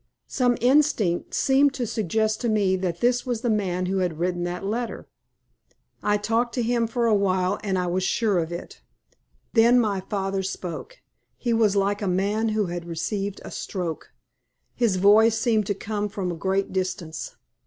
Some instinct seemed to suggest to me that this was the man who had written that letter. I talked to him for awhile, and I was sure of it." Then my father spoke. He was like a man who had received a stroke. His voice seemed to come from a great distance.